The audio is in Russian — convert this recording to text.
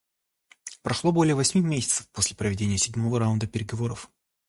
Прошло более восьми месяцев после проведения седьмого раунда переговоров.